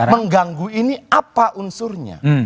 mengganggu ini apa unsurnya